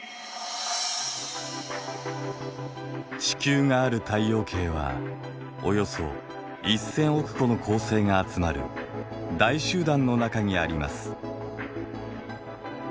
地球がある太陽系はおよそ１，０００億個の恒星が集まる大集団の中にあります。